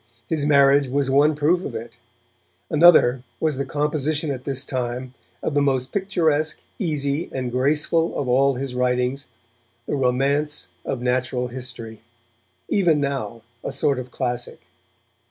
His marriage was one proof of it; another was the composition at this time of the most picturesque, easy and graceful of all his writings, The Romance of Natural History, even now a sort of classic.